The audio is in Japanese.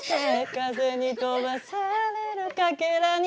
「風に飛ばされる欠片に」